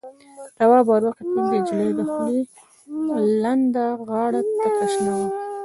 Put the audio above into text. تواب ور وکتل، د نجلۍ دخولې لنده غاړه تکه شنه وه.